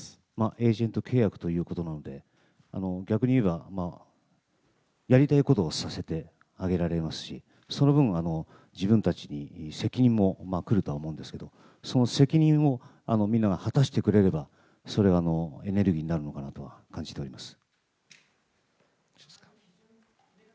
エージェント契約ということなので、逆にいえば、やりたいことをさせてあげられますし、その分、自分たちに責任も来るとは思うんですけれども、その責任をみんなが果たしてくれれば、それはエネルギーになるのかなとは感じております。